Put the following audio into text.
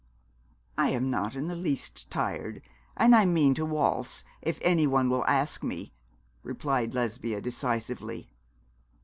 'I am not in the least tired, and I mean to waltz, if anyone will ask me,' replied Lesbia, decisively.